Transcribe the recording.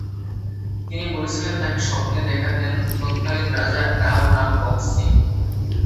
তিনি বলেছিলেন, তাঁকে স্বপ্নে দেখা দেন তত্কালীন রাজা রাও রাম বক্স সিং।